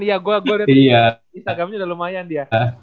instagramnya udah lumayan dia